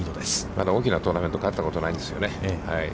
まだ大きなトーナメントで勝ったことがないんですよね。